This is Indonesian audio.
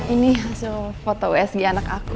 ini hasil foto usg anak aku